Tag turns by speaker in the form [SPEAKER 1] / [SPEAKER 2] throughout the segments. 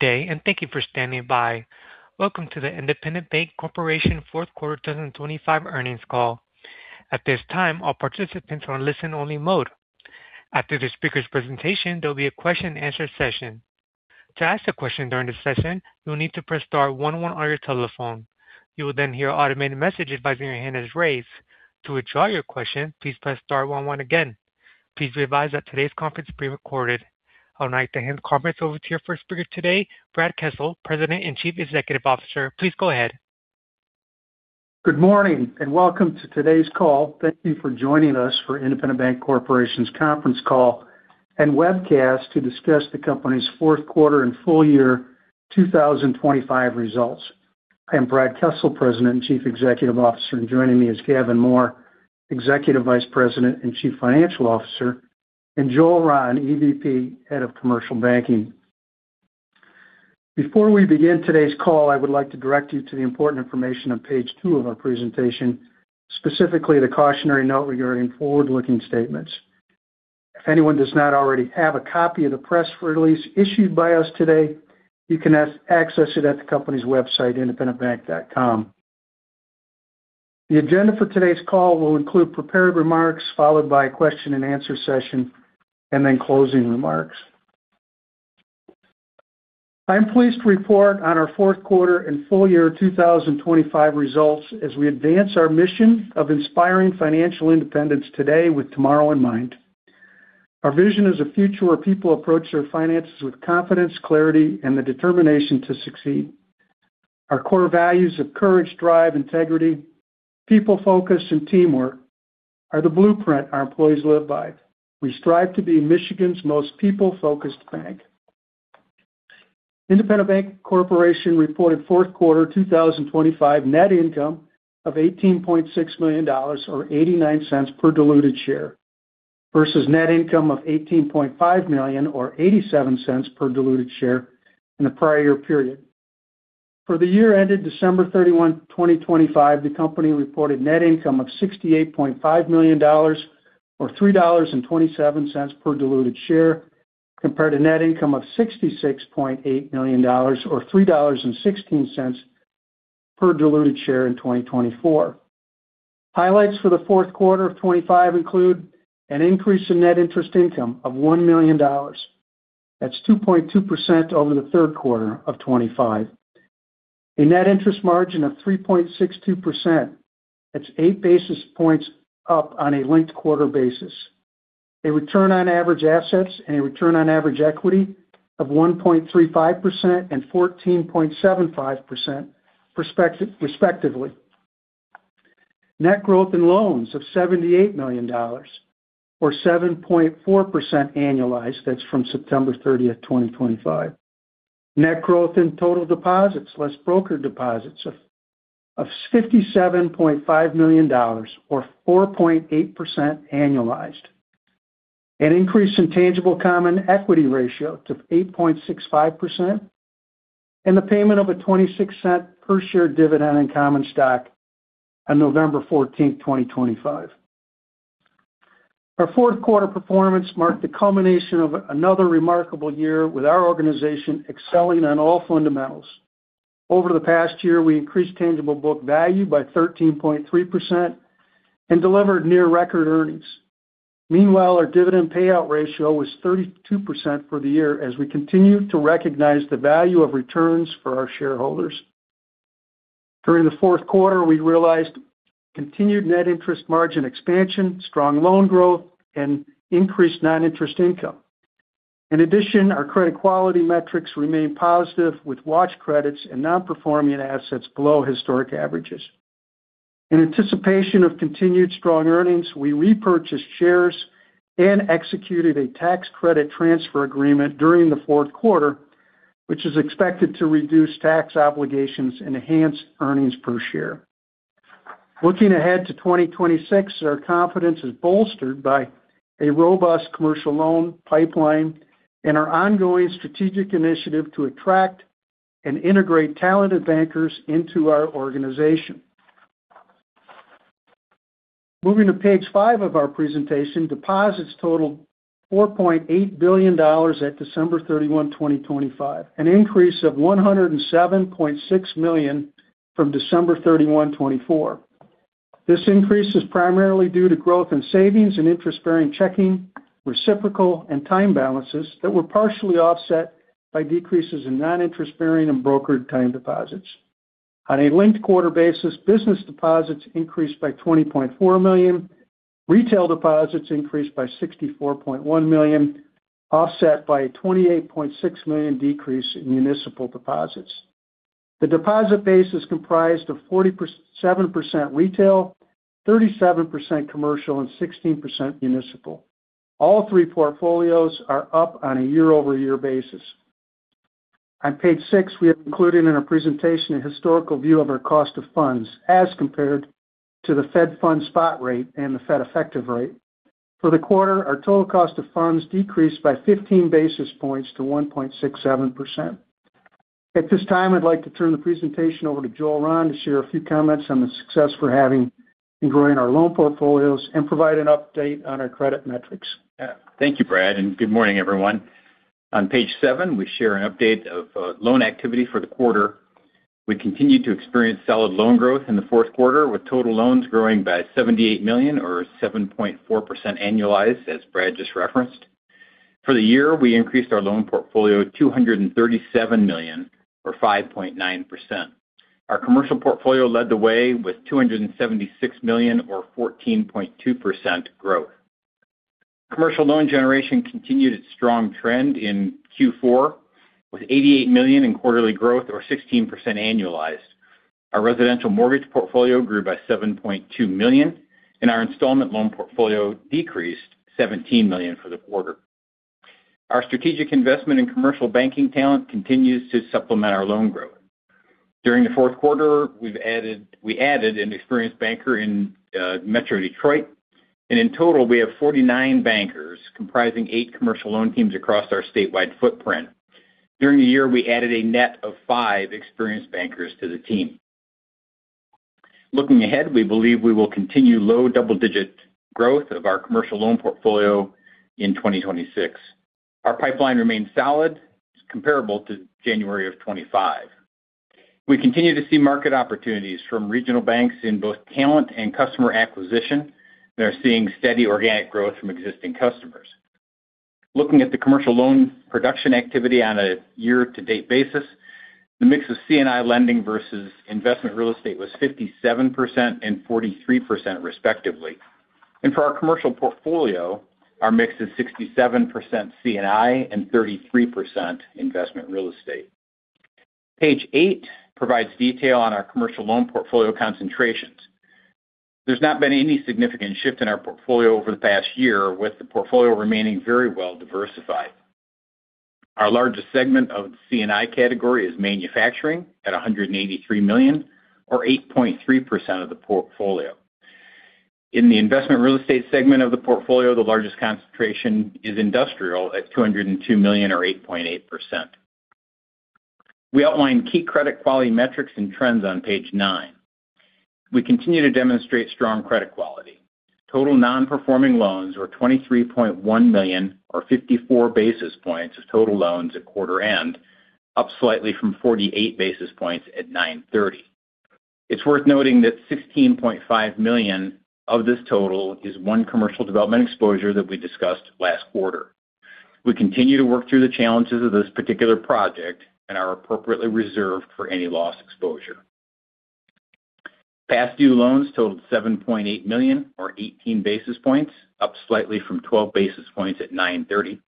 [SPEAKER 1] Good day, and thank you for standing by. Welcome to the Independent Bank Corporation Fourth Quarter 2025 earnings call. At this time, all participants are on listen-only mode. After the speaker's presentation, there will be a question-and-answer session. To ask a question during this session, you'll need to press star one on on your telephone. You will then hear an automated message advising your hand is raised. To withdraw your question, please press star one one again. Please be advised that today's conference is being recorded. I would like to hand the conference over to your first speaker today, Brad Kessel, President and Chief Executive Officer. Please go ahead.
[SPEAKER 2] Good morning and welcome to today's call. Thank you for joining us for Independent Bank Corporation's conference call and webcast to discuss the company's fourth quarter and full year 2025 results. I am Brad Kessel, President and Chief Executive Officer, and joining me is Gavin Mohr, Executive Vice President and Chief Financial Officer, and Joel Rahn, EVP, Head of Commercial Banking. Before we begin today's call, I would like to direct you to the important information on page two of our presentation, specifically the cautionary note regarding forward-looking statements. If anyone does not already have a copy of the press release issued by us today, you can access it at the company's website, independentbank.com. The agenda for today's call will include prepared remarks followed by a question-and-answer session and then closing remarks. I am pleased to report on our fourth quarter and full year 2025 results as we advance our mission of inspiring financial independence today with tomorrow in mind. Our vision is a future where people approach their finances with confidence, clarity, and the determination to succeed. Our core values of courage, drive, integrity, people focus, and teamwork are the blueprint our employees live by. We strive to be Michigan's most people-focused bank. Independent Bank Corporation reported fourth quarter 2025 net income of $18.6 million or $0.89 per diluted share versus net income of $18.5 million or $0.87 per diluted share in the prior year period. For the year ended December 31, 2025, the company reported net income of $68.5 million or $3.27 per diluted share compared to net income of $66.8 million or $3.16 per diluted share in 2024. Highlights for the fourth quarter of 2025 include an increase in net interest income of $1 million. That's 2.2% over the third quarter of 2025. A net interest margin of 3.62%. That's eight basis points up on a linked quarter basis. A return on average assets and a return on average equity of 1.35% and 14.75% respectively. Net growth in loans of $78 million or 7.4% annualized. That's from September 30, 2025. Net growth in total deposits less broker deposits of $57.5 million or 4.8% annualized. An increase in tangible common equity ratio to 8.65% and the payment of a $0.26 per share dividend in common stock on November 14, 2025. Our fourth quarter performance marked the culmination of another remarkable year with our organization excelling on all fundamentals. Over the past year, we increased tangible book value by 13.3% and delivered near-record earnings. Meanwhile, our dividend payout ratio was 32% for the year as we continue to recognize the value of returns for our shareholders. During the fourth quarter, we realized continued net interest margin expansion, strong loan growth, and increased non-interest income. In addition, our credit quality metrics remain positive with watch credits and non-performing assets below historic averages. In anticipation of continued strong earnings, we repurchased shares and executed a tax credit transfer agreement during the fourth quarter, which is expected to reduce tax obligations and enhance earnings per share. Looking ahead to 2026, our confidence is bolstered by a robust commercial loan pipeline and our ongoing strategic initiative to attract and integrate talented bankers into our organization. Moving to page five of our presentation, deposits totaled $4.8 billion at December 31, 2025, an increase of $107.6 million from December 31, 2024. This increase is primarily due to growth in savings and interest-bearing checking, reciprocal, and time balances that were partially offset by decreases in non-interest-bearing and brokered time deposits. On a linked quarter basis, business deposits increased by $20.4 million. Retail deposits increased by $64.1 million, offset by a $28.6 million decrease in municipal deposits. The deposit base is comprised of 47% retail, 37% commercial, and 16% municipal. All three portfolios are up on a year-over-year basis. On page six, we have included in our presentation a historical view of our cost of funds as compared to the Fed funds spot rate and the Fed effective rate. For the quarter, our total cost of funds decreased by 15 basis points to 1.67%. At this time, I'd like to turn the presentation over to Joel Rahn to share a few comments on the success we're having in growing our loan portfolios and provide an update on our credit metrics.
[SPEAKER 3] Thank you, Brad, and good morning, everyone. On page seven, we share an update of loan activity for the quarter. We continue to experience solid loan growth in the fourth quarter, with total loans growing by $78 million or 7.4% annualized, as Brad just referenced. For the year, we increased our loan portfolio $237 million or 5.9%. Our commercial portfolio led the way with $276 million or 14.2% growth. Commercial loan generation continued its strong trend in Q4 with $88 million in quarterly growth or 16% annualized. Our residential mortgage portfolio grew by $7.2 million, and our installment loan portfolio decreased $17 million for the quarter. Our strategic investment in commercial banking talent continues to supplement our loan growth. During the fourth quarter, we added an experienced banker in Metro Detroit, and in total, we have 49 bankers comprising eight commercial loan teams across our statewide footprint. During the year, we added a net of five experienced bankers to the team. Looking ahead, we believe we will continue low double-digit growth of our commercial loan portfolio in 2026. Our pipeline remains solid, comparable to January of 2025. We continue to see market opportunities from regional banks in both talent and customer acquisition, and they're seeing steady organic growth from existing customers. Looking at the commercial loan production activity on a year-to-date basis, the mix of C&I lending versus investment real estate was 57% and 43% respectively, and for our commercial portfolio, our mix is 67% C&I and 33% investment real estate. Page eight provides detail on our commercial loan portfolio concentrations. There's not been any significant shift in our portfolio over the past year, with the portfolio remaining very well diversified. Our largest segment of the C&I category is manufacturing at $183 million or 8.3% of the portfolio. In the investment real estate segment of the portfolio, the largest concentration is industrial at $202 million or 8.8%. We outline key credit quality metrics and trends on page nine. We continue to demonstrate strong credit quality. Total non-performing loans were $23.1 million or 54 basis points of total loans at quarter end, up slightly from 48 basis points at 9/30. It's worth noting that $16.5 million of this total is one commercial development exposure that we discussed last quarter. We continue to work through the challenges of this particular project and are appropriately reserved for any loss exposure. Past due loans totaled $7.8 million or 18 basis points, up slightly from 12 basis points at 9/30.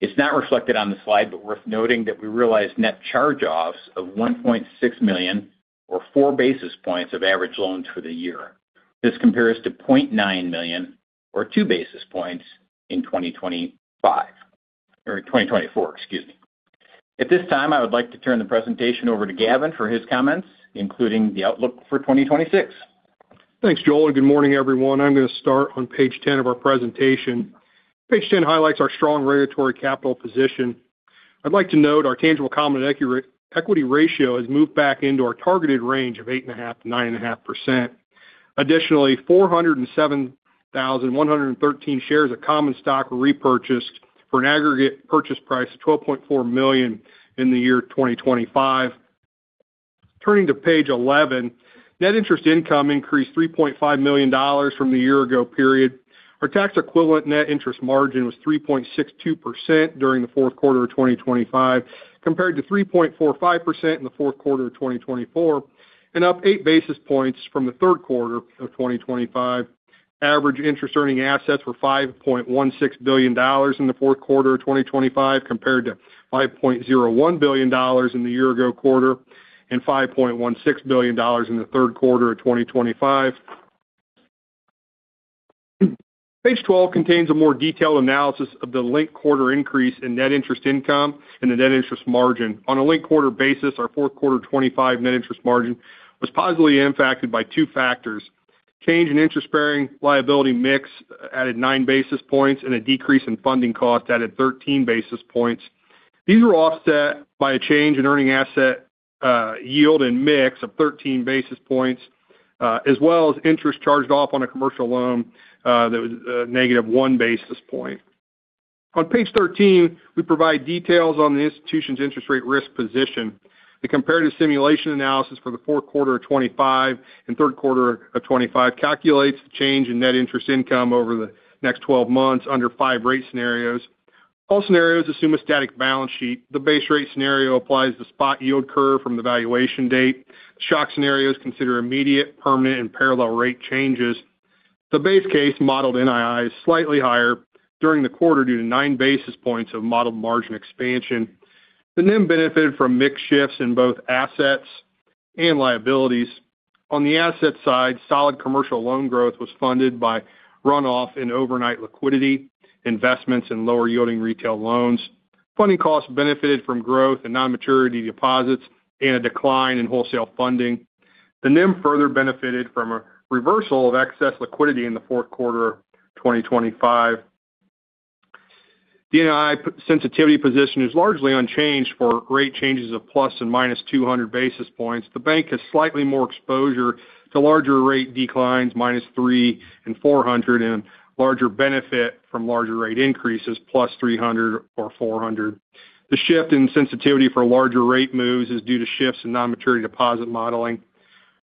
[SPEAKER 3] It's not reflected on the slide, but worth noting that we realized net charge-offs of $1.6 million or four basis points of average loans for the year. This compares to $0.9 million or two basis points in 2025 or 2024, excuse me. At this time, I would like to turn the presentation over to Gavin for his comments, including the outlook for 2026.
[SPEAKER 4] Thanks, Joel, and good morning, everyone. I'm going to start on page 10 of our presentation. Page 10 highlights our strong regulatory capital position. I'd like to note our tangible common equity ratio has moved back into our targeted range of 8.5%-9.5%. Additionally, 407,113 shares of common stock were repurchased for an aggregate purchase price of $12.4 million in the year 2025. Turning to page 11, net interest income increased $3.5 million from the year-ago period. Our tax equivalent net interest margin was 3.62% during the fourth quarter of 2025, compared to 3.45% in the fourth quarter of 2024, and up 8 basis points from the third quarter of 2025. Average interest-earning assets were $5.16 billion in the fourth quarter of 2025, compared to $5.01 billion in the year-ago quarter and $5.16 billion in the third quarter of 2025. Page 12 contains a more detailed analysis of the linked quarter increase in net interest income and the net interest margin. On a linked quarter basis, our fourth quarter 2025 net interest margin was positively impacted by two factors: change in interest-bearing liability mix added nine basis points and a decrease in funding cost added 13 basis points. These were offset by a change in earning asset yield and mix of 13 basis points, as well as interest charged off on a commercial loan that was negative one basis point. On page 13, we provide details on the institution's interest rate risk position. The comparative simulation analysis for the fourth quarter of 2025 and third quarter of 2025 calculates the change in net interest income over the next 12 months under five rate scenarios. All scenarios assume a static balance sheet. The base rate scenario applies the spot yield curve from the valuation date. Shock scenarios consider immediate, permanent, and parallel rate changes. The base case modeled NII is slightly higher during the quarter due to nine basis points of modeled margin expansion. The NIM benefited from mixed shifts in both assets and liabilities. On the asset side, solid commercial loan growth was funded by runoff and overnight liquidity investments in lower-yielding retail loans. Funding costs benefited from growth in non-maturity deposits and a decline in wholesale funding. The NIM further benefited from a reversal of excess liquidity in the fourth quarter of 2025. The NII sensitivity position is largely unchanged for rate changes of ±200 basis points. The bank has slightly more exposure to larger rate declines, -300 and -400, and larger benefit from larger rate increases, +300 or +400. The shift in sensitivity for larger rate moves is due to shifts in non-maturity deposit modeling,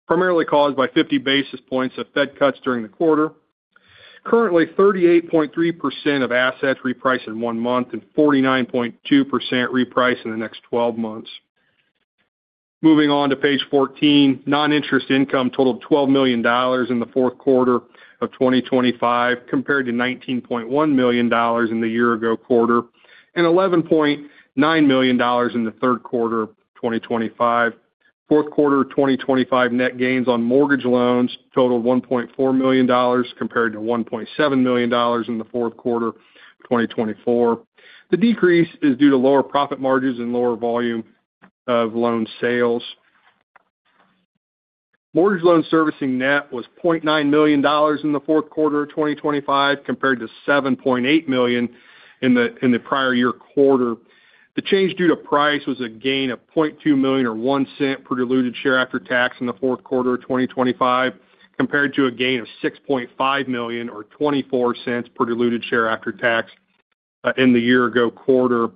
[SPEAKER 4] primarily caused by 50 basis points of Fed cuts during the quarter. Currently, 38.3% of assets repriced in one month and 49.2% repriced in the next 12 months. Moving on to page 14, non-interest income totaled $12 million in the fourth quarter of 2025, compared to $19.1 million in the year-ago quarter and $11.9 million in the third quarter of 2025. Fourth quarter of 2025 net gains on mortgage loans totaled $1.4 million, compared to $1.7 million in the fourth quarter of 2024. The decrease is due to lower profit margins and lower volume of loan sales. Mortgage loan servicing net was $0.9 million in the fourth quarter of 2025, compared to $7.8 million in the prior year quarter. The change due to price was a gain of $0.2 million or $0.01 per diluted share after tax in the fourth quarter of 2025, compared to a gain of $6.5 million or $0.24 per diluted share after tax in the year-ago quarter.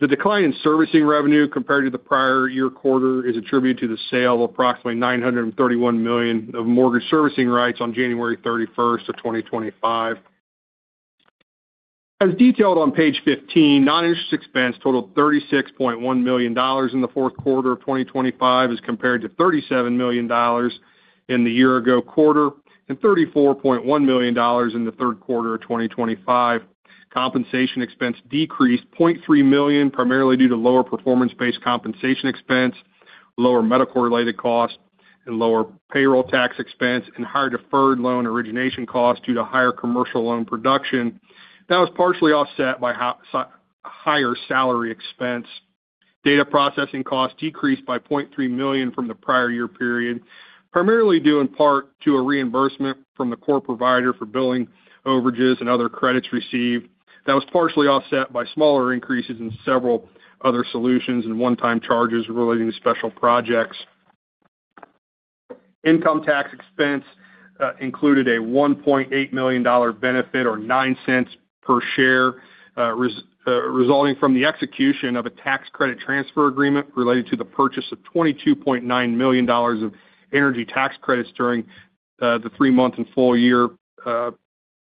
[SPEAKER 4] The decline in servicing revenue, compared to the prior year quarter, is attributed to the sale of approximately $931 million of mortgage servicing rights on January 31st of 2025. As detailed on page 15, non-interest expense totaled $36.1 million in the fourth quarter of 2025, as compared to $37 million in the year-ago quarter and $34.1 million in the third quarter of 2025. Compensation expense decreased $0.3 million, primarily due to lower performance-based compensation expense, lower medical-related costs, and lower payroll tax expense, and higher deferred loan origination costs due to higher commercial loan production. That was partially offset by higher salary expense. Data processing costs decreased by $0.3 million from the prior year period, primarily due in part to a reimbursement from the core provider for billing overages and other credits received. That was partially offset by smaller increases in several other solutions and one-time charges relating to special projects. Income tax expense included a $1.8 million benefit or $0.09 per share, resulting from the execution of a tax credit transfer agreement related to the purchase of $22.9 million of energy tax credits during the three-month and full year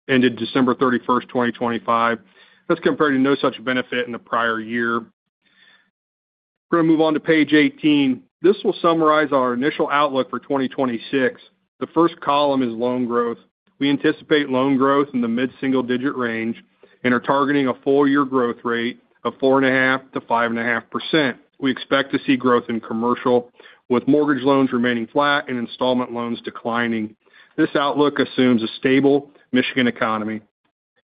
[SPEAKER 4] ended December 31st, 2025. That's compared to no such benefit in the prior year. We're going to move on to page 18. This will summarize our initial outlook for 2026. The first column is loan growth. We anticipate loan growth in the mid-single-digit range and are targeting a full-year growth rate of 4.5%-5.5%. We expect to see growth in commercial, with mortgage loans remaining flat and installment loans declining. This outlook assumes a stable Michigan economy.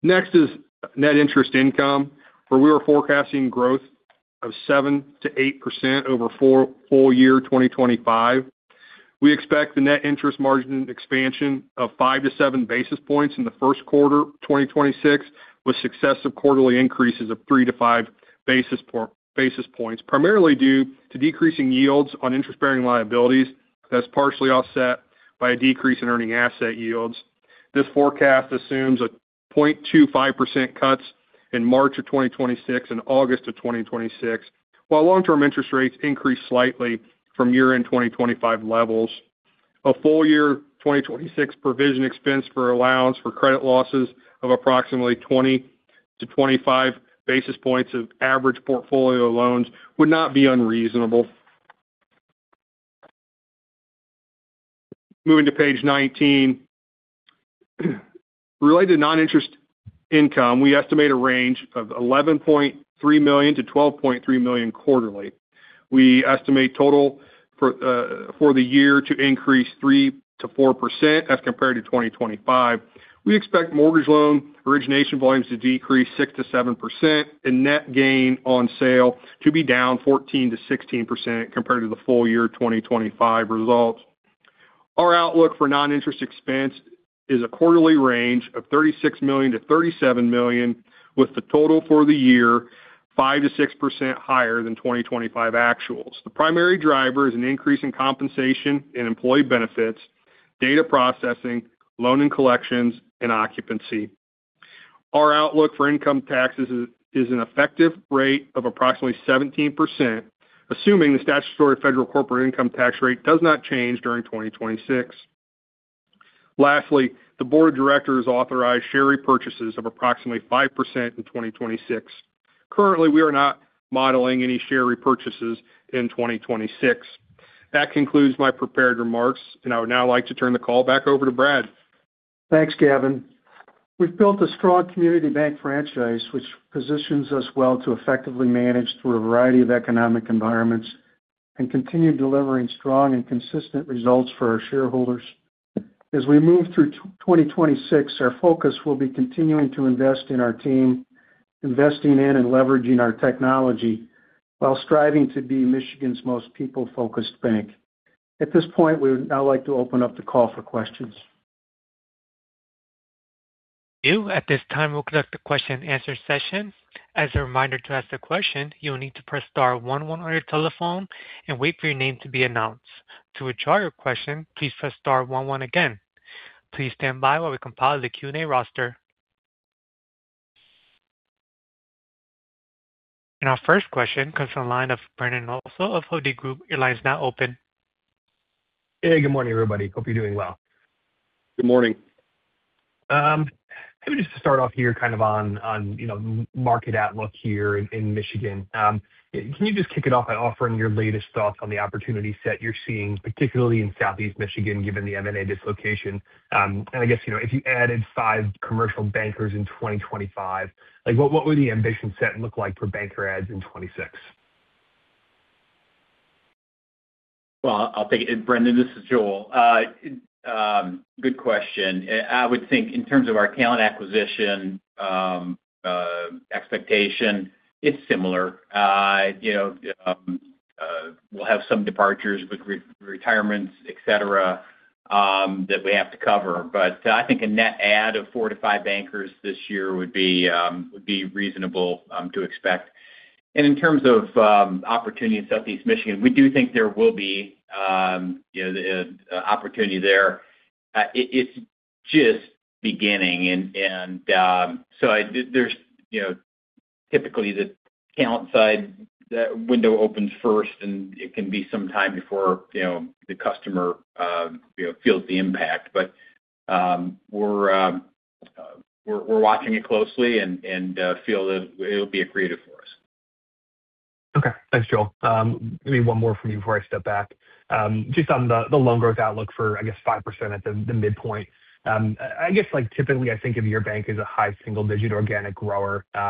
[SPEAKER 4] Next is net interest income, where we are forecasting growth of 7%-8% over full year 2025. We expect the net interest margin expansion of 5-7 basis points in the first quarter of 2026, with successive quarterly increases of 3-5 basis points, primarily due to decreasing yields on interest-bearing liabilities that's partially offset by a decrease in earning asset yields. This forecast assumes a 0.25% cuts in March of 2026 and August of 2026, while long-term interest rates increase slightly from year-end 2025 levels. A full year 2026 provision expense for allowance for credit losses of approximately 20-25 basis points of average portfolio loans would not be unreasonable. Moving to page 19. Related to non-interest income, we estimate a range of $11.3 million-$12.3 million quarterly. We estimate total for the year to increase 3%-4% as compared to 2025. We expect mortgage loan origination volumes to decrease 6%-7% and net gain on sale to be down 14%-16% compared to the full year 2025 results. Our outlook for non-interest expense is a quarterly range of $36 million-$37 million, with the total for the year 5%-6% higher than 2025 actuals. The primary driver is an increase in compensation and employee benefits, data processing, loan and collections, and occupancy. Our outlook for income taxes is an effective rate of approximately 17%, assuming the statutory federal corporate income tax rate does not change during 2026. Lastly, the board of directors authorized share repurchases of approximately 5% in 2026. Currently, we are not modeling any share repurchases in 2026. That concludes my prepared remarks, and I would now like to turn the call back over to Brad.
[SPEAKER 2] Thanks, Gavin. We've built a strong Community Bank franchise, which positions us well to effectively manage through a variety of economic environments and continue delivering strong and consistent results for our shareholders. As we move through 2026, our focus will be continuing to invest in our team, investing in and leveraging our technology, while striving to be Michigan's most people-focused bank. At this point, we would now like to open up the call for questions.
[SPEAKER 1] Thank you. At this time, we'll conduct the question-and-answer session. As a reminder to ask the question, you'll need to press star one one on your telephone and wait for your name to be announced. To withdraw your question, please press star one one again. Please stand by while we compile the Q&A roster. And our first question comes from the line of Brendan Nosal of Hovde Group. Your line is now open.
[SPEAKER 5] Hey, good morning, everybody. Hope you're doing well.
[SPEAKER 4] Good morning.
[SPEAKER 5] Let me just start off here kind of on market outlook here in Michigan. Can you just kick it off by offering your latest thoughts on the opportunity set you're seeing, particularly in Southeast Michigan given the M&A dislocation? And I guess if you added five commercial bankers in 2025, what would the ambition set look like for banker adds in 2026?
[SPEAKER 3] I'll take it. Brendan, this is Joel. Good question. I would think in terms of our talent acquisition expectation, it's similar. We'll have some departures with retirements, etc., that we have to cover, but I think a net add of four to five bankers this year would be reasonable to expect, and in terms of opportunity in Southeast Michigan, we do think there will be an opportunity there. It's just beginning, and so typically, the talent side window opens first, and it can be some time before the customer feels the impact, but we're watching it closely and feel that it'll be a creative force.
[SPEAKER 5] Okay. Thanks, Joel. Maybe one more from you before I step back. Just on the loan growth outlook for, I guess, 5% at the midpoint, I guess typically, I think of your bank as a high single-digit organic grower. So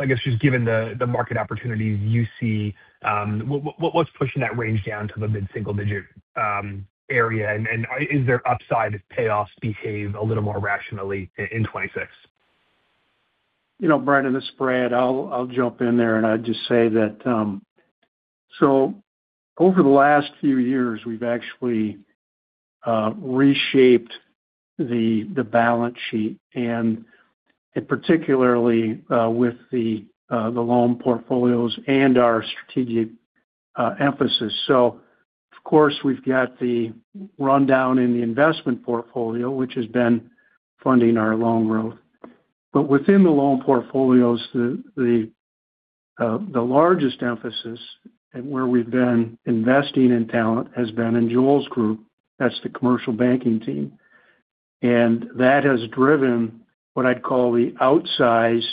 [SPEAKER 5] I guess just given the market opportunities you see, what's pushing that range down to the mid-single-digit area? And is there upside if payoffs behave a little more rationally in 2026?
[SPEAKER 2] You know, Brendan, this is Brad. I'll jump in there, and I'd just say that so over the last few years, we've actually reshaped the balance sheet, and particularly with the loan portfolios and our strategic emphasis. So, of course, we've got the rundown in the investment portfolio, which has been funding our loan growth. But within the loan portfolios, the largest emphasis and where we've been investing in talent has been in Joel's group. That's the commercial banking team. And that has driven what I'd call the outsized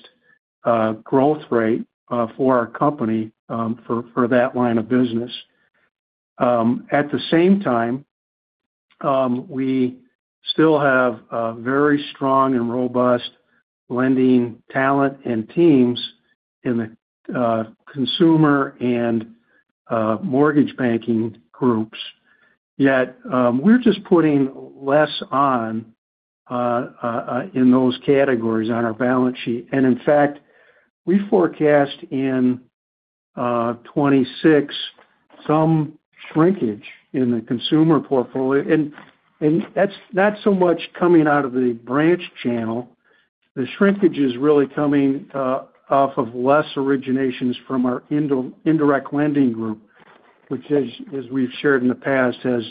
[SPEAKER 2] growth rate for our company for that line of business. At the same time, we still have very strong and robust lending talent and teams in the consumer and mortgage banking groups. Yet we're just putting less on in those categories on our balance sheet. And in fact, we forecast in 2026 some shrinkage in the consumer portfolio. That's not so much coming out of the branch channel. The shrinkage is really coming off of less originations from our indirect lending group, which, as we've shared in the past, has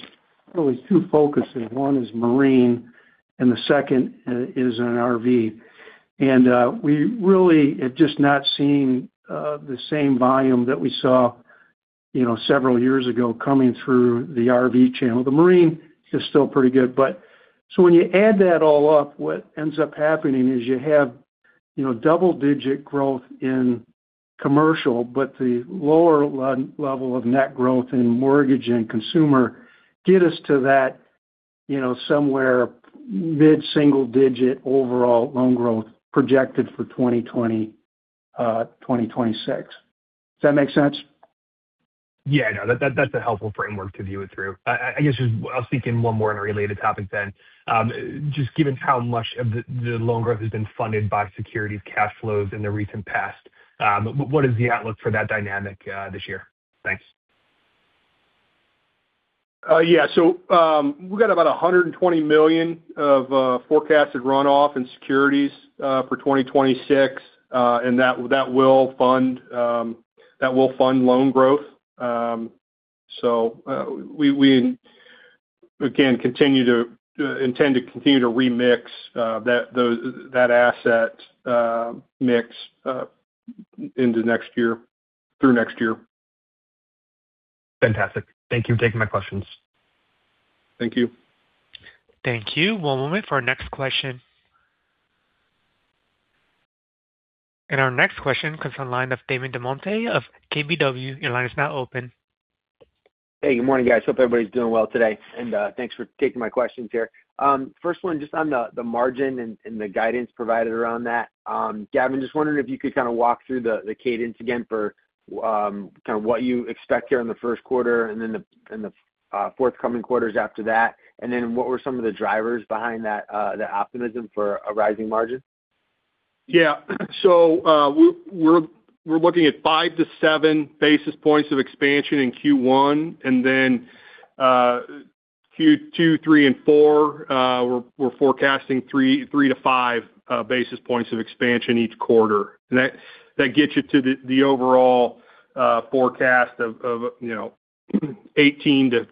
[SPEAKER 2] really two focuses. One is Marine, and the second is an RV. And we really have just not seen the same volume that we saw several years ago coming through the RV channel. The Marine is still pretty good. But so when you add that all up, what ends up happening is you have double-digit growth in commercial, but the lower level of net growth in mortgage and consumer get us to that somewhere mid-single-digit overall loan growth projected for 2020, 2026. Does that make sense?
[SPEAKER 5] Yeah. No, that's a helpful framework to view it through. I guess I'll speak in one more related topic then. Just given how much of the loan growth has been funded by securities cash flows in the recent past, what is the outlook for that dynamic this year? Thanks.
[SPEAKER 4] Yeah. So we've got about $120 million of forecasted runoff in securities for 2026, and that will fund loan growth. So we, again, intend to continue to remix that asset mix into next year through next year.
[SPEAKER 5] Fantastic. Thank you for taking my questions.
[SPEAKER 4] Thank you.
[SPEAKER 1] Thank you. One moment for our next question. And our next question comes on the line of Damon DelMonte of KBW. Your line is now open.
[SPEAKER 6] Hey, good morning, guys. Hope everybody's doing well today. And thanks for taking my questions here. First one, just on the margin and the guidance provided around that. Gavin, just wondering if you could kind of walk through the cadence again for kind of what you expect here in the first quarter and then the forthcoming quarters after that. And then what were some of the drivers behind that optimism for a rising margin?
[SPEAKER 4] Yeah. So we're looking at five to seven basis points of expansion in Q1. And then Q2, Q3, and Q4, we're forecasting three to five basis points of expansion each quarter. And that gets you to the overall forecast of 18 to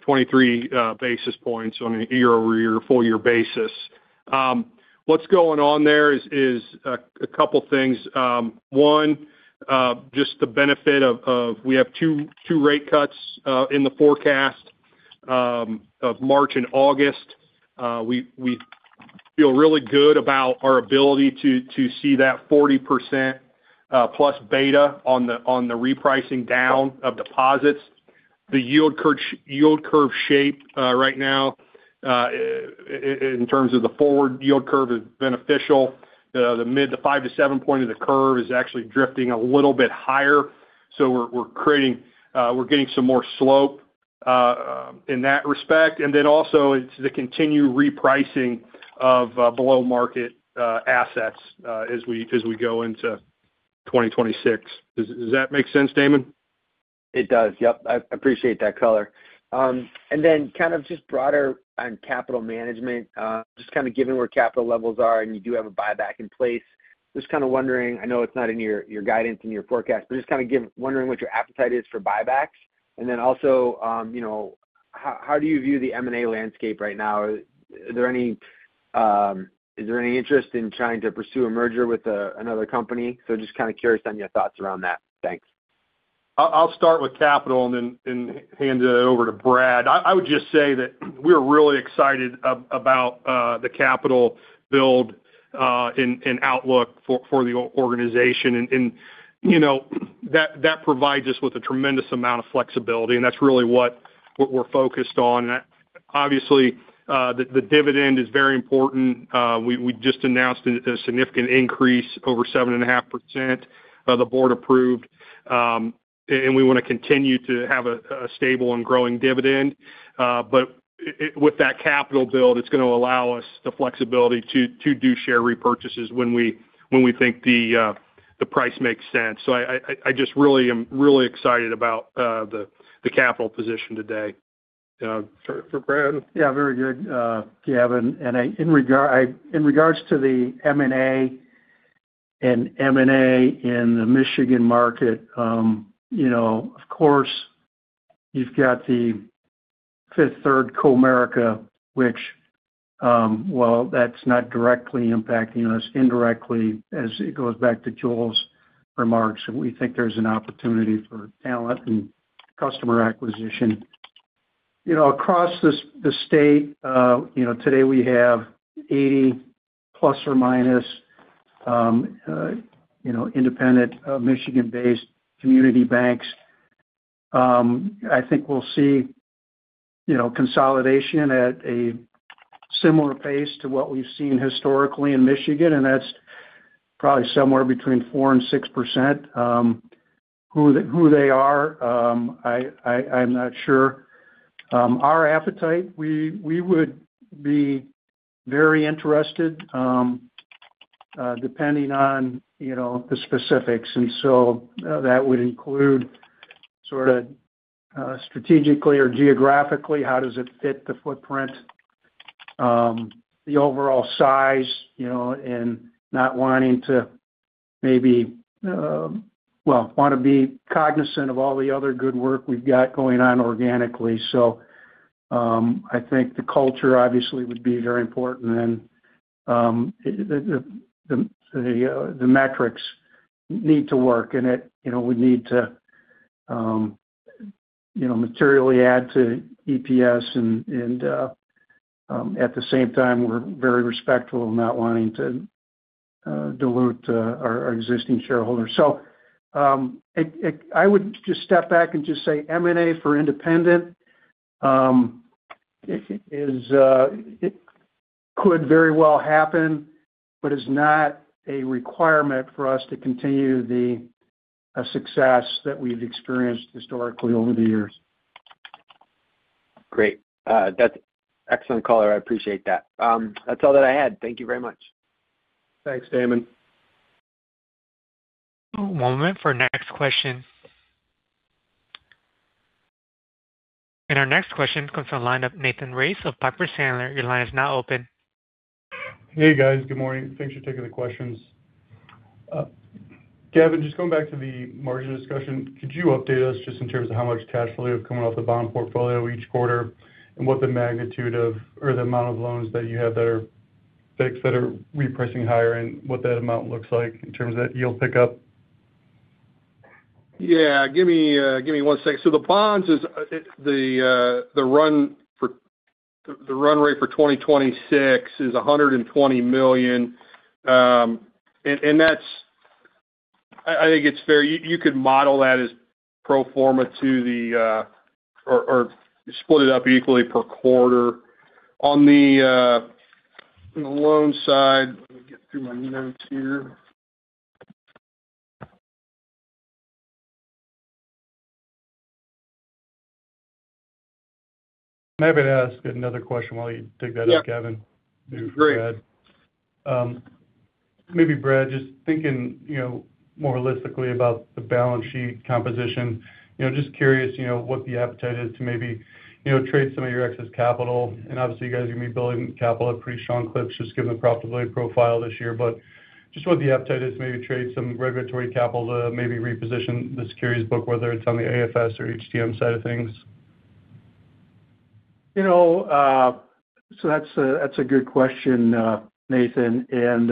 [SPEAKER 4] 23 basis points on a year-over-year, full-year basis. What's going on there is a couple of things. One, just the benefit of we have two rate cuts in the forecast of March and August. We feel really good about our ability to see that 40% plus beta on the repricing down of deposits. The yield curve shape right now, in terms of the forward yield curve, is beneficial. The mid to five to seven point of the curve is actually drifting a little bit higher. So we're getting some more slope in that respect. Then also, it's the continued repricing of below-market assets as we go into 2026. Does that make sense, Damon?
[SPEAKER 6] It does. Yep. I appreciate that color. And then kind of just broader on capital management, just kind of given where capital levels are and you do have a buyback in place, just kind of wondering. I know it's not in your guidance and your forecast, but just kind of wondering what your appetite is for buybacks. And then also, how do you view the M&A landscape right now? Is there any interest in trying to pursue a merger with another company? So just kind of curious on your thoughts around that. Thanks.
[SPEAKER 4] I'll start with capital and then hand it over to Brad. I would just say that we're really excited about the capital build and outlook for the organization, and that provides us with a tremendous amount of flexibility, and that's really what we're focused on. Obviously, the dividend is very important. We just announced a significant increase over 7.5% of the board approved, and we want to continue to have a stable and growing dividend, but with that capital build, it's going to allow us the flexibility to do share repurchases when we think the price makes sense, so I just really am really excited about the capital position today. For Brad?
[SPEAKER 2] Yeah. Very good, Gavin. And in regards to the M&A and M&A in the Michigan market, of course, you've got the Fifth Third, Comerica, which, well, that's not directly impacting us. Indirectly, as it goes back to Joel's remarks, we think there's an opportunity for talent and customer acquisition. Across the state, today we have ±80 independent Michigan-based community banks. I think we'll see consolidation at a similar pace to what we've seen historically in Michigan, and that's probably somewhere between 4% and 6%. Who they are, I'm not sure. Our appetite, we would be very interested depending on the specifics. And so that would include sort of strategically or geographically, how does it fit the footprint, the overall size, and not wanting to maybe, well, want to be cognizant of all the other good work we've got going on organically. I think the culture, obviously, would be very important. And the metrics need to work. And we need to materially add to EPS. And at the same time, we're very respectful of not wanting to dilute our existing shareholders. So I would just step back and just say M&A for Independent could very well happen, but is not a requirement for us to continue the success that we've experienced historically over the years.
[SPEAKER 6] Great. That's excellent, caller. I appreciate that. That's all that I had. Thank you very much.
[SPEAKER 4] Thanks, Damon.
[SPEAKER 1] One moment for our next question. Our next question comes on the line of Nathan Race of Piper Sandler. Your line is now open.
[SPEAKER 7] Hey, guys. Good morning. Thanks for taking the questions. Gavin, just going back to the margin discussion, could you update us just in terms of how much cash flow you have coming off the bond portfolio each quarter and what the magnitude of or the amount of loans that you have that are repricing higher and what that amount looks like in terms of that yield pickup?
[SPEAKER 4] Yeah. Give me one second. So the bonds, the run rate for 2026 is $120 million. And I think it's fair. You could model that as pro forma to the or split it up equally per quarter. On the loan side, let me get through my notes here.
[SPEAKER 7] Maybe I'll ask another question while you dig that up, Gavin.
[SPEAKER 4] Yeah. Great.
[SPEAKER 7] Maybe, Brad, just thinking more holistically about the balance sheet composition, just curious what the appetite is to maybe trade some of your excess capital, and obviously, you guys are going to be building capital at pretty strong clips just given the profitability profile this year, but just what the appetite is to maybe trade some regulatory capital to maybe reposition the securities book, whether it's on the AFS or HTM side of things.
[SPEAKER 2] That's a good question, Nathan. And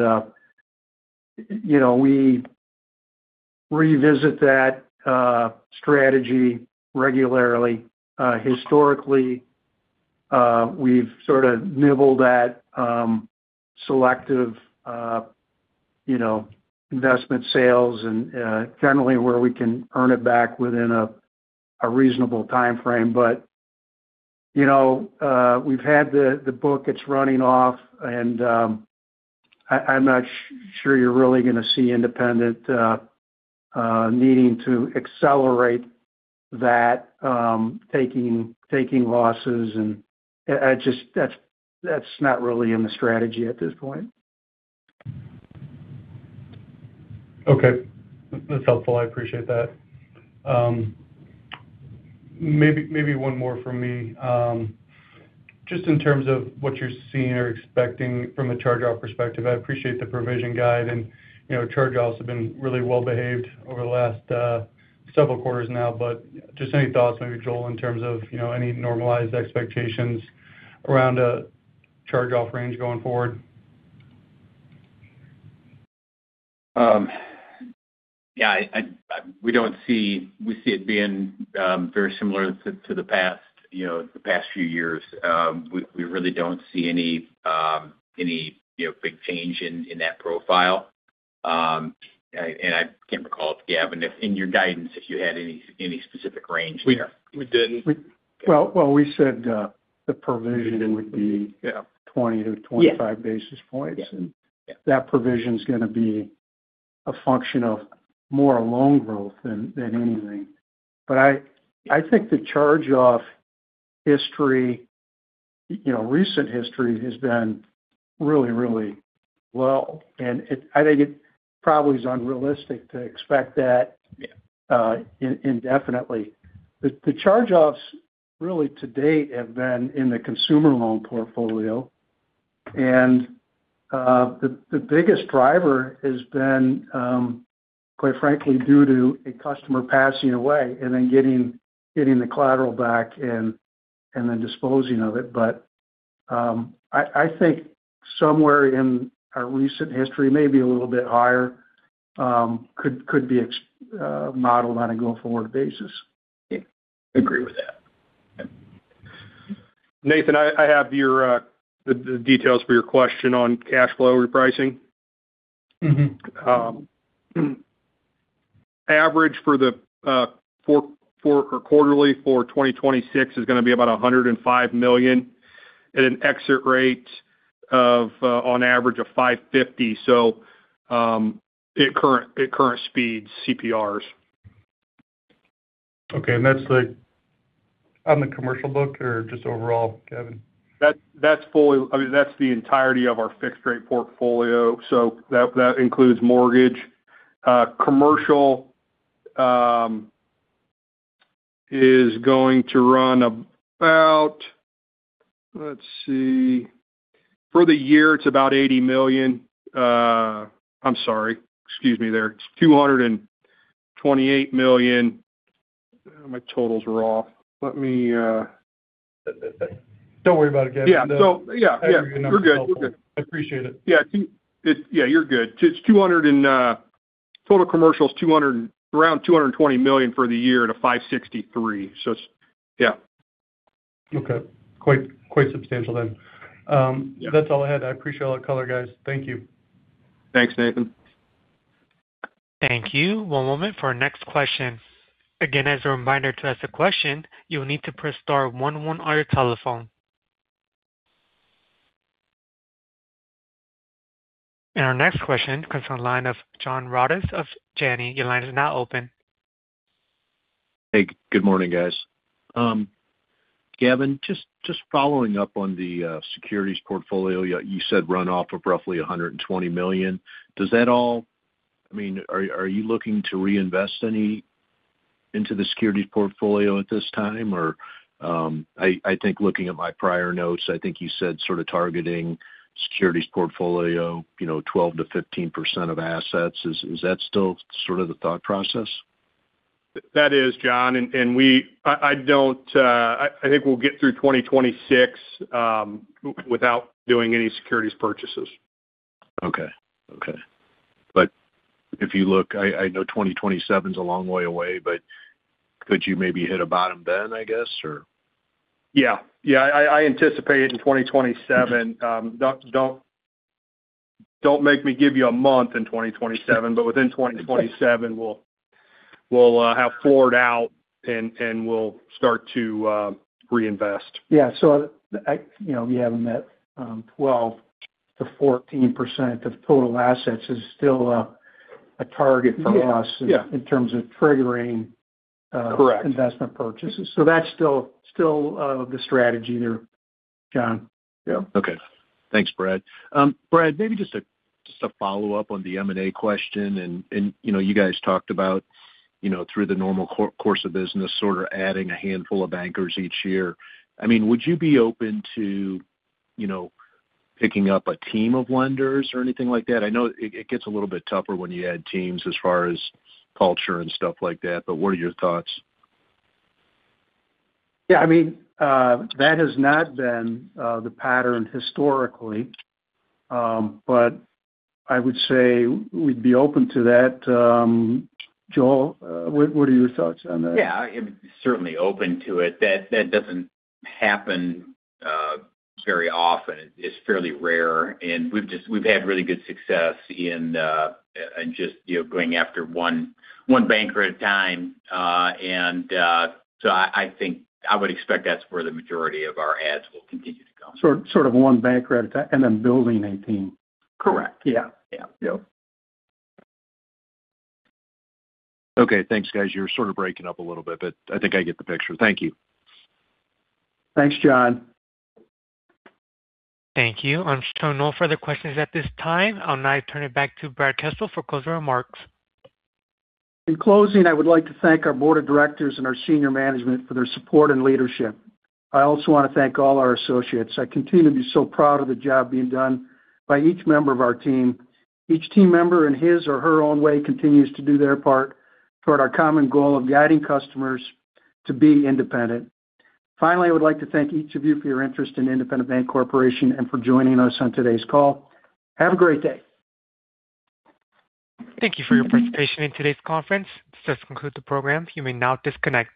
[SPEAKER 2] we revisit that strategy regularly. Historically, we've sort of nibbled at selective investment sales and generally where we can earn it back within a reasonable time frame. But we've had the book. It's running off. And I'm not sure you're really going to see Independent needing to accelerate that, taking losses. And that's not really in the strategy at this point.
[SPEAKER 7] Okay. That's helpful. I appreciate that. Maybe one more from me. Just in terms of what you're seeing or expecting from a charge-off perspective, I appreciate the provision guide. And charge-offs have been really well-behaved over the last several quarters now. But just any thoughts, maybe, Joel, in terms of any normalized expectations around a charge-off range going forward?
[SPEAKER 3] Yeah. We see it being very similar to the past few years. We really don't see any big change in that profile. And I can't recall if, Gavin, in your guidance, if you had any specific range there.
[SPEAKER 4] We didn't.
[SPEAKER 2] We said the provision would be 20-25 basis points. And that provision is going to be a function of more loan growth than anything. But I think the charge-off history, recent history, has been really, really low. And I think it probably is unrealistic to expect that indefinitely. The charge-offs, really, to date have been in the consumer loan portfolio. And the biggest driver has been, quite frankly, due to a customer passing away and then getting the collateral back and then disposing of it. But I think somewhere in our recent history, maybe a little bit higher, could be modeled on a go-forward basis.
[SPEAKER 4] Agree with that. Nathan, I have the details for your question on cash flow repricing. Average for the quarterly for 2026 is going to be about $105 million at an exit rate of, on average, of 550. So at current speeds, CPRs.
[SPEAKER 7] Okay. And that's on the commercial book or just overall, Gavin?
[SPEAKER 4] That's the entirety of our fixed-rate portfolio. So that includes mortgage. Commercial is going to run about, let's see. For the year, it's about $80 million. I'm sorry. Excuse me there. It's $228 million. My totals were off. Let me.
[SPEAKER 7] Don't worry about it, Gavin.
[SPEAKER 4] Yeah. So, yeah. We're good.
[SPEAKER 7] I appreciate it.
[SPEAKER 4] Yeah. You're good. Total commercial is around $220 million for the year at a 563. So yeah.
[SPEAKER 7] Okay. Quite substantial then. That's all I had. I appreciate all the color, guys. Thank you.
[SPEAKER 4] Thanks, Nathan.
[SPEAKER 1] Thank you. One moment for our next question. Again, as a reminder to ask a question, you'll need to press star 11 on your telephone. And our next question comes on the line of John Rodis of Janney Montgomery Scott. Your line is now open.
[SPEAKER 8] Hey. Good morning, guys. Gavin, just following up on the securities portfolio, you said runoff of roughly $120 million. Does that all, I mean, are you looking to reinvest any into the securities portfolio at this time? Or I think looking at my prior notes, I think you said sort of targeting securities portfolio, 12%-15% of assets. Is that still sort of the thought process?
[SPEAKER 4] That is, John, and I think we'll get through 2026 without doing any securities purchases.
[SPEAKER 8] Okay. Okay. But if you look, I know 2027 is a long way away, but could you maybe hit a bottom then, I guess, or?
[SPEAKER 4] Yeah. Yeah. I anticipate in 2027. Don't make me give you a month in 2027, but within 2027, we'll have floored out and we'll start to reinvest.
[SPEAKER 2] Yeah. So you haven't met 12%-14% of total assets is still a target for us in terms of triggering investment purchases. So that's still the strategy there, John.
[SPEAKER 8] Yeah. Okay. Thanks, Brad. Brad, maybe just a follow-up on the M&A question. And you guys talked about, through the normal course of business, sort of adding a handful of bankers each year. I mean, would you be open to picking up a team of lenders or anything like that? I know it gets a little bit tougher when you add teams as far as culture and stuff like that, but what are your thoughts?
[SPEAKER 2] Yeah. I mean, that has not been the pattern historically, but I would say we'd be open to that. Joel, what are your thoughts on that?
[SPEAKER 3] Yeah. I'm certainly open to it. That doesn't happen very often. It's fairly rare. And we've had really good success in just going after one banker at a time. And so I think I would expect that's where the majority of our ads will continue to go.
[SPEAKER 2] Sort of one banker at a time and then building a team.
[SPEAKER 3] Correct. Yeah. Yeah.
[SPEAKER 8] Okay. Thanks, guys. You were sort of breaking up a little bit, but I think I get the picture. Thank you.
[SPEAKER 2] Thanks, John.
[SPEAKER 1] Thank you. With no further questions at this time, I'll now turn it back to Brad Kessel for closing remarks.
[SPEAKER 2] In closing, I would like to thank our board of directors and our senior management for their support and leadership. I also want to thank all our associates. I continue to be so proud of the job being done by each member of our team. Each team member, in his or her own way, continues to do their part toward our common goal of guiding customers to be independent. Finally, I would like to thank each of you for your interest in Independent Bank Corporation and for joining us on today's call. Have a great day.
[SPEAKER 1] Thank you for your participation in today's conference. This does conclude the program. You may now disconnect.